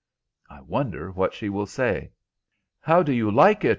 I wonder what she will say?" "How do you like it?"